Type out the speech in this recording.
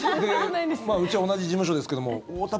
うちは同じ事務所ですけど太田